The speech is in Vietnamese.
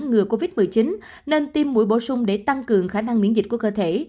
ngừa covid một mươi chín nên tiêm mũi bổ sung để tăng cường khả năng miễn dịch của cơ thể